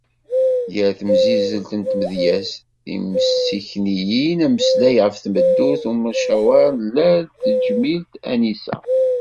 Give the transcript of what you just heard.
Gar temsizzelt n tmedyazt, timsikniyin, ameslay ɣef tmeddurt d umecawar n llal n tejmilt Anisa.